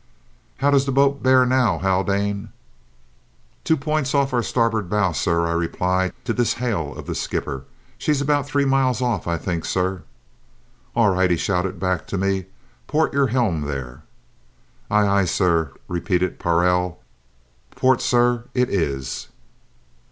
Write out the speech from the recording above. "How does the boat bear now, Haldane?" "Two points off our starboard bow, sir," I replied to this hail of the skipper. "She's about three miles off, I think, sir." "All right," he shouted back to me. "Port your helm, there!" "Aye, aye, sir," repeated Parrell. "Port, sir, it is."